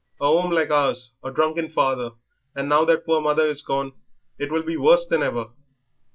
"A 'ome like ours, a drunken father, and now that poor mother is gone it will be worse than ever.